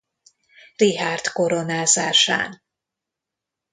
Richárd koronázásán.